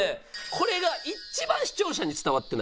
これが一番視聴者に伝わってない。